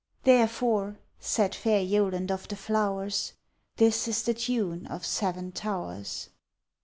_Therefore, said fair Yoland of the flowers, This is the tune of Seven Towers.